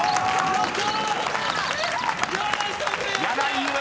やった！